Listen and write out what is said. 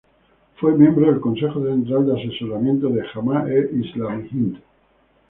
Fue miembro del Consejo Central de Asesoramiento de Jamaat-e-Islami Hind.